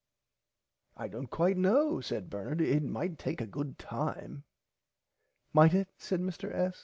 I dont quite know said Bernard it might take a good time. Might it said Mr S.